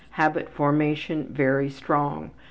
Habit formation: Very strong.